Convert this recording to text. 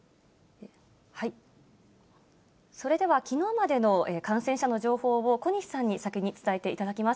それでは、きのうまでの感染者の情報を、小西さんに先に伝えてもらいます。